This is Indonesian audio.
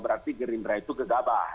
berarti gerimbra itu gegabah